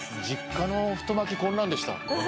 実家の太巻きこんなんでした。